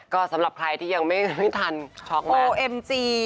ก็สำหรับใครที่ยังไม่ทันช็อกโลเอ็มจี